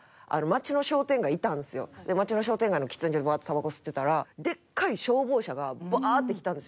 で街の商店街の喫煙所でバーッてタバコ吸ってたらでっかい消防車がぶわって来たんですよ。